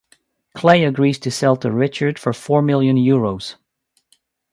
Clay agrees to sell to Richard for four million euros.